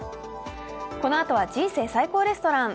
このあとは「人生最高レストラン」。